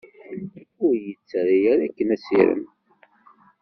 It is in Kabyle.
Ur yi-d-ttarra ara akken asirem.